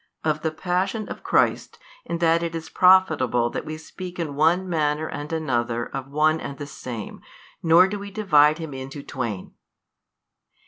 |225 36. Of the Passion of Christ, and that it is profitable that we speak in one manner and another of One and the Same, nor do we divide Him into twain.